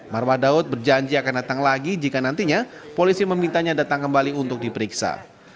marwah daud berjanji akan datang lagi jika nantinya polisi memintanya datang kembali untuk diperiksa